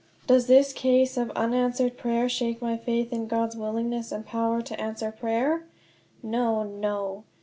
Does this case of unanswered prayer shake my faith in God's willingness and power to answer prayer? No, no!